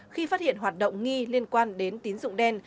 khi phát hiện hoạt động nghi liên quan đến tín dụng đen